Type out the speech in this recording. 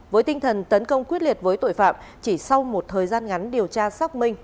với tinh thần tấn công quyết liệt với tội phạm chỉ sau một thời gian ngắn điều tra xác minh